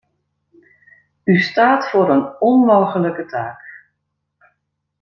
U staat voor een onmogelijke taak.